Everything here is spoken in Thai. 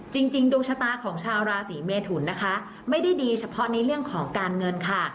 จริงดวงชะตาของชาวราศีเมทุนนะคะไม่ได้ดีเฉพาะในเรื่องของการเงินค่ะ